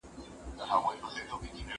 که دستکشې وي نو ګوتې نه نښلي.